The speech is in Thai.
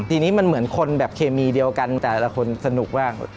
ทีนี้มันเหมือนคนแบบเคมีเดียวกันแต่ละคนสนุกบ้าง